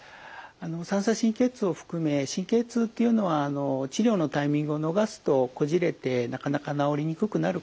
三叉神経痛を含め神経痛っていうのは治療のタイミングを逃すとこじれてなかなか治りにくくなることがございます。